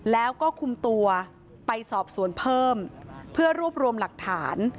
แล้วก็คุมตัวไปสอบสวนเพิ่มเพื่อรวบรวมหลักฐาน